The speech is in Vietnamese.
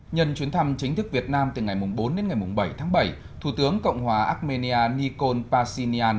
nhân chuyến thăm chính thức việt nam từ ngày bốn đến ngày bảy tháng bảy thủ tướng cộng hòa armenia nikol pashinyan